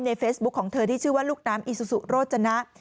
เฟซบุ๊คของเธอที่ชื่อว่าลูกน้ำอีซูซูโรจนะ